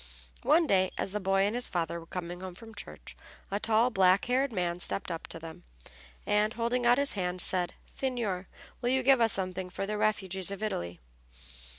One day, as the boy and his father were coming home from church a tall, black haired man stepped up to them, and, holding out his hand, said, "Signor, will you give us something for the refugees of Italy?"